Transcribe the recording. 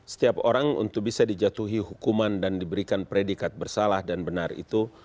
setiap orang untuk bisa dijatuhi hukuman dan diberikan predikat bersalah dan benar itu